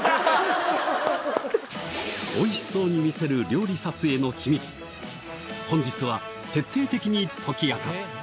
おいしそうに見せる料理撮影の秘密本日は徹底的に解き明かす